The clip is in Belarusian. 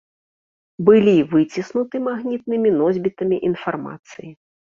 Былі выціснуты магнітнымі носьбітамі інфармацыі.